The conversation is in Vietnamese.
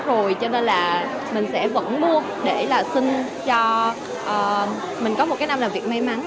rồi cho nên là mình sẽ vẫn mua để là xin cho mình có một cái năm làm việc may mắn